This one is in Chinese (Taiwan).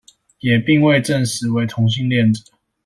也並未證實為同性戀者